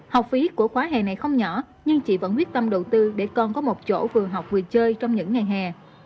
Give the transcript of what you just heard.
học phí của khóa hè này không nhỏ nhưng chị vẫn quyết tâm đầu tư để con có một chỗ vừa học vừa chơi trong những ngày hè